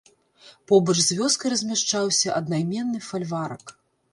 Побач з вёскай размяшчаўся аднайменны фальварак.